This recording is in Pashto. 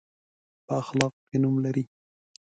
په اخلاقو کې نوم لري.